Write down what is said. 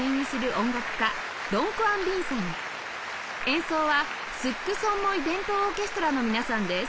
演奏はスックソンモイ伝統オーケストラの皆さんです